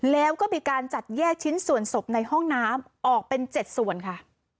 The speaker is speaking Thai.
แล้วก็มีการจัดแยกชิ้นส่วนศพในห้องน้ำออกเป็น๗ส่วนค่ะ